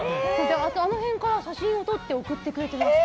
あの辺から写真を撮って送ってくれてました。